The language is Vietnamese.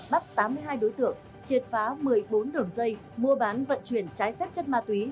bắt tám mươi hai đối tượng triệt phá một mươi bốn đường dây mua bán vận chuyển trái phép chất ma túy